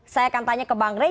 saya akan tanya ke bang rey